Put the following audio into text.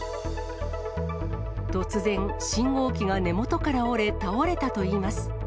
突然、信号機が根元から折れ、倒れたといいます。